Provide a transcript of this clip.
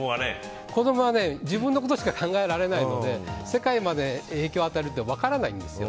子供は自分のことしか考えられないので世界まで影響を与えるって分からないんですよ。